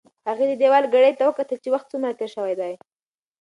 هغې د دېوال ګړۍ ته وکتل چې وخت څومره تېر شوی دی.